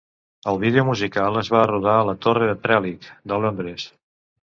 El vídeo musical es va rodar a la Torre de Trellick de Londres.